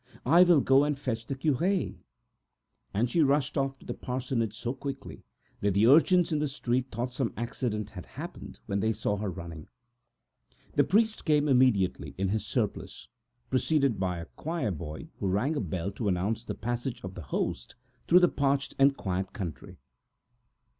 I will go and fetch the cure"; and she rushed off to the parsonage so quickly, that the urchins in the street thought some accident had happened, when they saw her trotting off like that. The priest came immediately in his surplice, preceded by a choir boy, who rang a bell to announce the passage of the Host through the parched and quiet country.